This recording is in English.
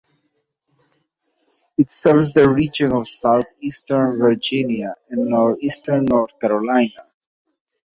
It serves the region of southeastern Virginia and north-eastern North Carolina.